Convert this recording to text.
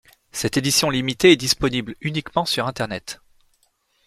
Cette édition limitée est disponible uniquement sur internet.